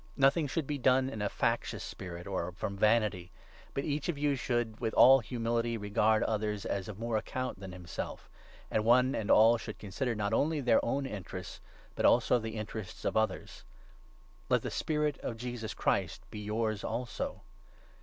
Nothing 3 should be done in a factious spirit or from vanity, but each of you should with all humility regard others as of more account than himself, and one and all should consider, not only their 4 The Great own interests, but also the interests of others. Let 5 Example, the spirit of Christ Jesus be yours also.